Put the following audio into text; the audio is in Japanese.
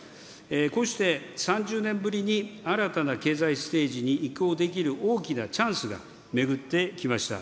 こうして３０年ぶりに新たな経済ステージに移行できる大きなチャンスが巡ってきました。